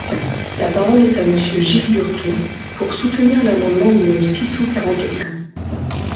La parole est à Monsieur Gilles Lurton, pour soutenir l’amendement numéro six cent quarante-quatre.